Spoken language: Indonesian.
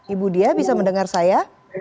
ibu dia bisa mendengar saya